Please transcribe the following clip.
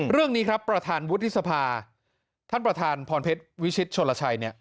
เรื่องนี้ครับประธานวุฒิสภาท่านประธานพรเพชรวิชิตชนลชัยเนี่ย